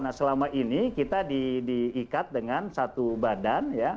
nah selama ini kita diikat dengan satu badan ya